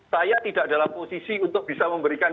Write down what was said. saya tidak dalam posisi untuk bisa memberikan